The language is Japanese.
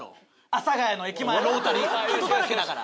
阿佐ヶ谷の駅前ロータリーハトだらけだから。